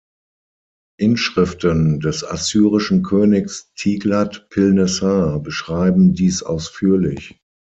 Inschriften des assyrischen Königs "Tiglat-Pilnessar" beschreiben dies ausführlich.